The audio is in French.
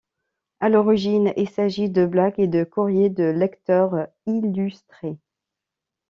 À l'origine, il s'agit de blagues et de courriers de lecteurs illustrés.